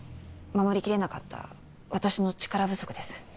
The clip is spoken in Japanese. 守りきれなかった私の力不足です